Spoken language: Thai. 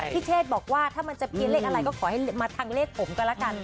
พี่เชษฐ์บอกว่าถ้ามันจะมีเลขอะไรก็ขอให้มาทางเลขผมกันละกัน